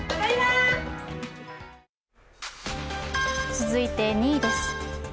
続いて２位です。